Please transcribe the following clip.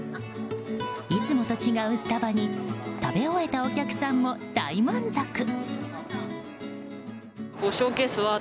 いつもと違うスタバに食べ終えたお客さんも大満足。